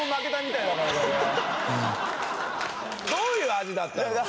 どういう味だったの？